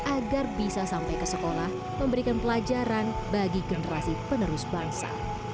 agar bisa sampai ke sekolah memberikan pelajaran bagi generasi penerus bangsa